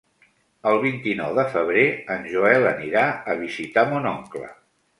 El vint-i-nou de febrer en Joel anirà a visitar mon oncle.